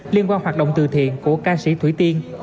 liên quan hoạt động từ thiện của ca sĩ thủy tiên